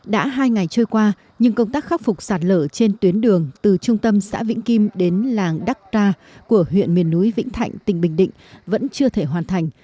đã hai ngày trôi qua nhưng công tác khắc phục sạt lở trên tuyến đường từ trung tâm xã vĩnh kim đến làng đắc tra của huyện miền núi vĩnh thạnh tỉnh bình định vẫn chưa thể hoàn thành